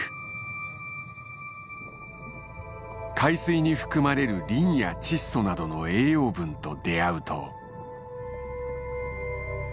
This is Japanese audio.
海水に含まれるリンや窒素などの栄養分と出会うと。